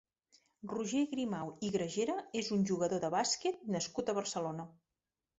Roger Grimau i Gragera és un jugador de bàsquet nascut a Barcelona.